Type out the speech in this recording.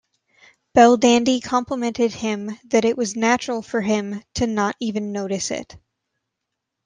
Belldandy complimented him that it was natural for him to not even notice it.